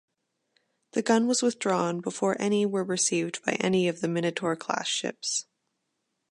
The gun was withdrawn before any were received by any of the "Minotaur"-class ships.